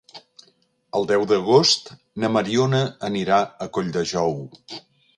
El deu d'agost na Mariona anirà a Colldejou.